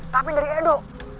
tapi dari edo